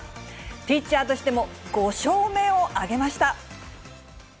ピッチャーとしても５勝目を挙げました。